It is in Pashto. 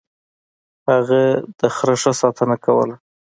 هغه د خر ښه ساتنه کوله.